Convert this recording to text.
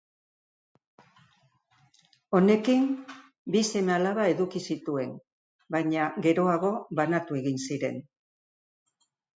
Honekin, bi seme-alaba eduki zituen baina geroago banatu egin ziren.